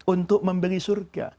untuk membeli surga